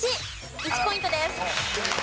１ポイントです。